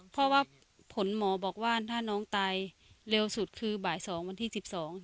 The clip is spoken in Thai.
เพราะว่าผลหมอบอกว่าถ้าน้องตายเร็วสุดคือบ่ายสองวันที่สิบสอง